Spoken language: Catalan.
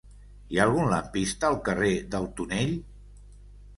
Hi ha algun lampista al carrer del Tonell?